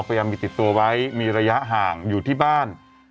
พยายามมีติดตัวไว้มีระยะห่างอยู่ที่บ้าน